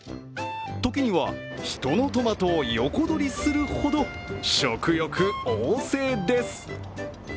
時には人のトマトを横取りするほど食欲旺盛です。